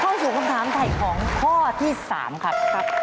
ข้อสูงสามถ่ายของข้อที่๓ครับ